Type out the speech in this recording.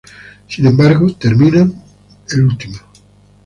Sin embargo, terminan de último.